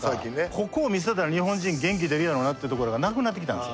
ここを見せたら日本人元気出るやろなっていうところがなくなってきたんです。